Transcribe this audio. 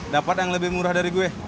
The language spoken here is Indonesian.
dapat yang lebih murah dari gue